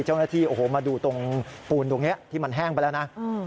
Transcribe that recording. เจ้าหน้าที่โอ้โหมาดูตรงปูนตรงนี้ที่มันแห้งไปแล้วนะ